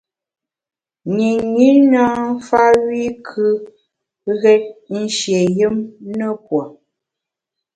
Nyinyi nâ mfa wi kù ghét nshié yùm ne pue.